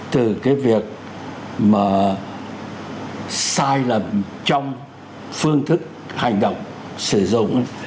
từ cái việc mà sai lầm trong phương thức hành động sử dụng ấy